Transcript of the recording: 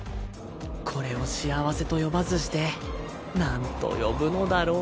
これを幸せと呼ばずしてなんと呼ぶのだろう。